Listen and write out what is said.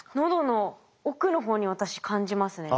喉の奥の方に私感じますね。